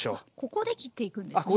ここで切っていくんですね。